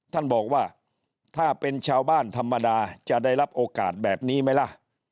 ท่านบอกว่าถ้าเป็นชาวบ้านธรรมดาจะได้รับโอกาสแบบนี้ไหมล่ะ